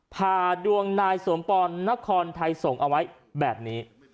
ผ่าดวงนายสมปอนนครไทยส่งเอาไว้แบบนี้